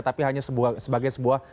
tapi hanya sebagai sebuah